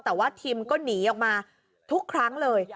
แต่ว่าทิมก็หนีออกมาทุกครั้งเลย